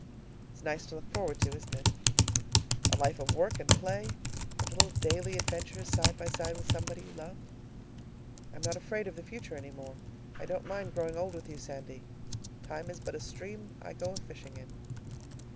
It's nice to look forward to, isn't it a life of work and play and little daily adventures side by side with somebody you love? I'm not afraid of the future any more. I don't mind growing old with you, Sandy. "Time is but the stream I go a fishing in."